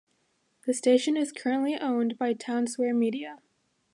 The station is currently owned by Townsquare Media.